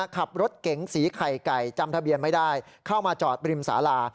ขับรถเก๋งสีไข่ไก่จำทะเบียนไม่ได้เข้ามาจอดริมสารา